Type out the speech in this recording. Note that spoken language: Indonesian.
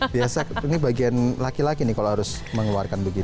biasa ini bagian laki laki nih kalau harus mengeluarkan begini